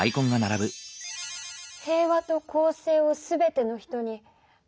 「平和と公正をすべての人に」。